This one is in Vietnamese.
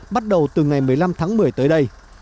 bắt đầu từ ngày một mươi năm tháng một mươi tới đây